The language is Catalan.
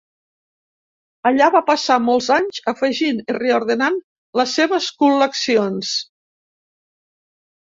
Allà va passar molts anys afegint i reordenant les seves col·leccions.